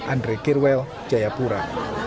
andre kirwel jaya pura